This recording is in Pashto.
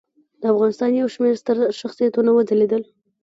د افغانستان یو شمېر ستر شخصیتونه وځلیدل.